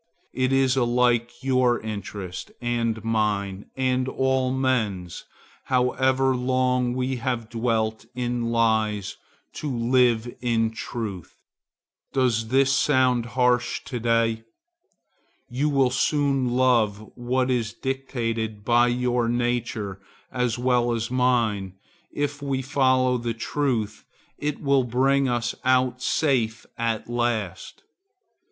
It is alike your interest, and mine, and all men's, however long we have dwelt in lies, to live in truth. Does this sound harsh to day? You will soon love what is dictated by your nature as well as mine, and if we follow the truth it will bring us out safe at last.